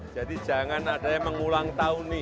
jadi jangan ada yang mengulang tahun nih